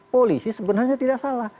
polisi sebenarnya tidak salah